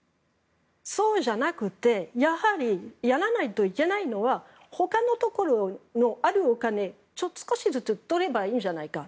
そうじゃなくてやはり、やらないといけないのはほかのところにあるお金を少しずつ取ればいいじゃないかと。